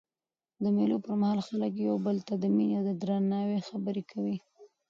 د مېلو پر مهال خلک یو بل ته د میني او درناوي خبري کوي.